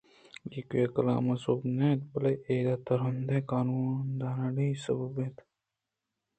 ایوک کلام ءِ سوب نہ اِنت بلکہ ادءِ ترٛندیں قانودانی سبب اِنت